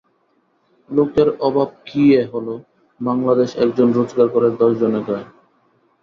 লোকের অভাব কী এ হল বাংলাদেশ একজন রোজগার করে, দশজনে খায়।